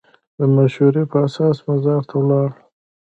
د مشورې په اساس مزار ته ولاړ.